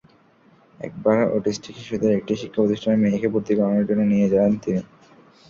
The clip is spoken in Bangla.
একবার অটিস্টিক শিশুদের একটি শিক্ষাপ্রতিষ্ঠানে মেয়েকে ভর্তি করানোর জন্য নিয়ে যান তিনি।